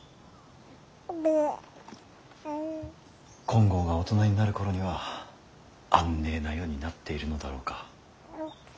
金剛が大人になる頃には安寧な世になっているのだろうか。